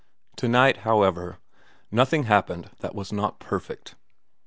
To night, however, nothing happened that was not perfect.